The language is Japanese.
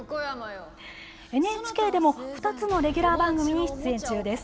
ＮＨＫでも、２つのレギュラー番組に出演中です。